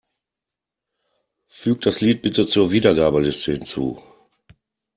Füg das Lied bitte zur Wiedergabeliste hinzu.